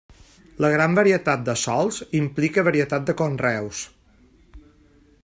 La gran varietat de sòls implica varietat de conreus.